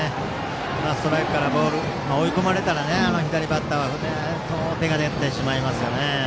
ストライクからボールへの追い込まれたら左バッターは手が出てしまいます。